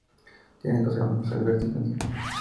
Tiene dos hermanos, Alberto y Daniel.